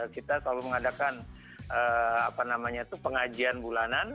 kita selalu mengadakan apa namanya itu pengajian bulanan